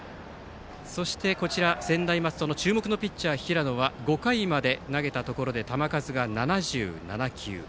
そして専大松戸の注目のピッチャー、平野は５回まで投げたところで球数が７７球。